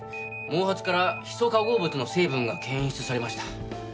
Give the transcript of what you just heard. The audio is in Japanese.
毛髪からヒ素化合物の成分が検出されました。